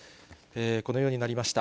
このようになりました。